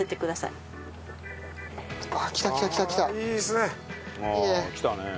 いいね！